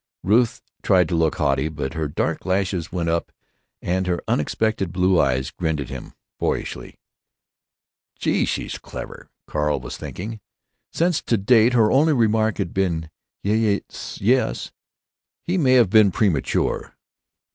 Ruth tried to look haughty, but her dark lashes went up and her unexpected blue eyes grinned at him boyishly. "Gee! she's clever!" Carl was thinking. Since, to date, her only remark had been "Y yes?" he may have been premature.